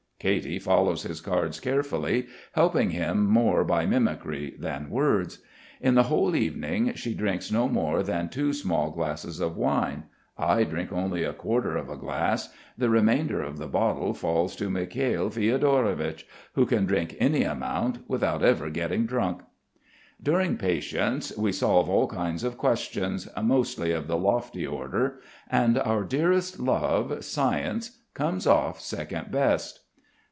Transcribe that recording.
Katy follows his cards carefully, helping him more by mimicry than words. In the whole evening she drinks no more than two small glasses of wine, I drink only a quarter of a glass, the remainder of the bottle falls to Mikhail Fiodorovich, who can drink any amount without ever getting drunk. During patience we solve all kinds of questions, mostly of the lofty order, and our dearest love, science, comes off second best.